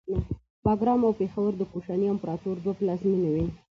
باګرام او پیښور د کوشاني امپراتورۍ دوه پلازمینې وې